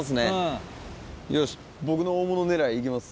よし僕の大物狙いいきます。